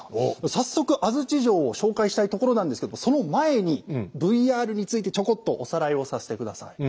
早速安土城を紹介したいところなんですけどもその前にＶＲについてちょこっとおさらいをさせて下さい。